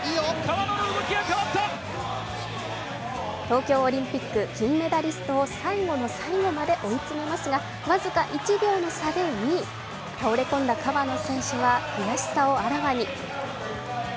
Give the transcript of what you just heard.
東京オリンピック金メダリストを最後の最後まで追い詰めますが僅か１秒の差で２位、倒れ込んだ川野選手は悔しさをあらわに。